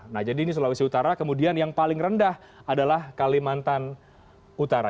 nah jadi ini sulawesi utara kemudian yang paling rendah adalah kalimantan utara